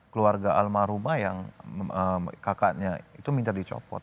keluarga almarhumah yang kakaknya itu minta dicopot